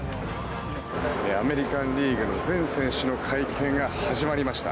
アメリカン・リーグの全選手の会見が始まりました。